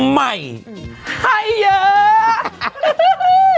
ให้เยอะ